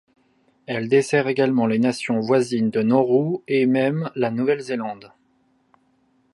Elle dessert également les nations voisines de Nauru et même la Nouvelle-Zélande.